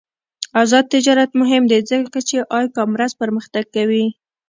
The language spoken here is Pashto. آزاد تجارت مهم دی ځکه چې ای کامرس پرمختګ کوي.